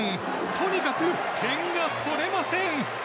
とにかく点が取れません。